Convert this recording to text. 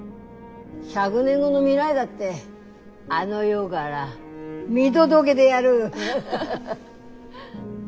１００年後の未来だってあの世がら見届げでやる。